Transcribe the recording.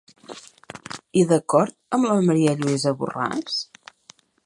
I d'acord amb Maria Lluïsa Borràs?